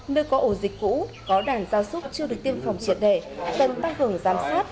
nơi có ổ dịch cũ có đàn gia súc chưa được tiêm phòng triệt đệ cần tăng cường giám sát